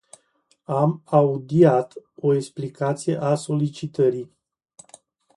Am audiat o explicație a solicitării.